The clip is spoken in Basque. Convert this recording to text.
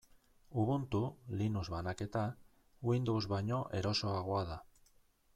Ubuntu, Linux banaketa, Windows baino erosoagoa da.